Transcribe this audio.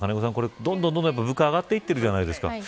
どんどん物価が上がっているじゃないですか。